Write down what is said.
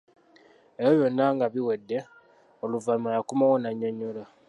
Ebyo byonna nga biwedde, oluvannyuma yakomawo n'annyonnyola.